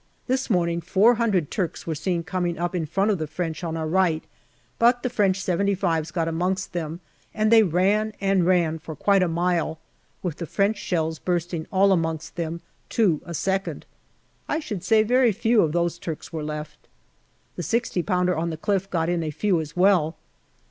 This morning four hundred Turks were seen coming up in front of the French on our right, but the French " 75 's " got amongst them, and they ran and ran for quite a mile, with the French shells bursting all amongst them, two a second. I should say very few of those Turks were left. The 6o pounder on the cliff got in a few as well.